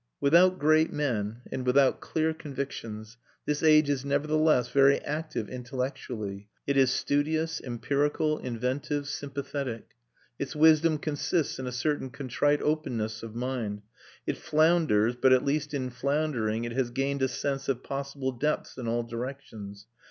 Without great men and without clear convictions this age is nevertheless very active intellectually; it is studious, empirical, inventive, sympathetic. Its wisdom consists in a certain contrite openness of mind; it flounders, but at least in floundering it has gained a sense of possible depths in all directions.